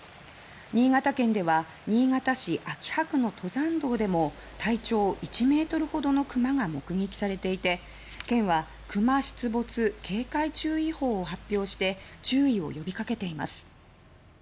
新潟県では新潟市秋葉区の登山道でも体長１ｍほどのクマが目撃されていて県はクマ出没警戒注意報を発表して注意を呼びかけています。